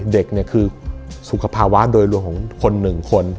เด็กเนี่ยคือสุขภาวะโดยรวมของคนหนึ่งคน